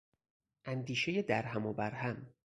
اندیشهی درهم و برهم